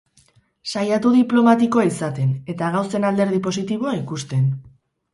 Saiatu diplomatikoa izaten, eta gauzen alderdi positiboa ikusten.